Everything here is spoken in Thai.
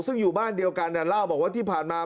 ซึ่งอยู่บ้านเดียวกันเล่าบอกว่าที่ผ่านมา